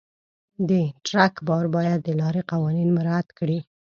د ټرک بار باید د لارې قوانین مراعت کړي.